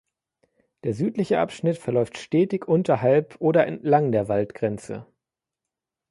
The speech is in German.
Der südliche Abschnitt verläuft stetig unterhalb oder entlang der Waldgrenze.